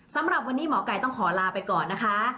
สำหรับวันนี้หมอไก่ต้องขอลาไปก่อนนะคะ